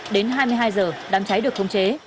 đến hai mươi hai giờ đám cháy được không chế